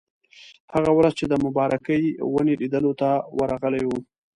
هغه ورځ چې د مبارکې ونې لیدلو ته ورغلي وو.